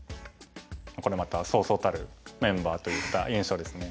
これまたそうそうたるメンバーといった印象ですね。